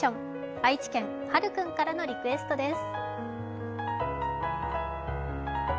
愛知県、はるくんからのリクエストです。